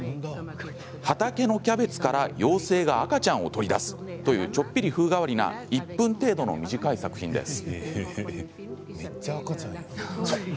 畑のキャベツから妖精が赤ちゃんを取り出すというちょっぴり風変わりな１分程度の短い作品です。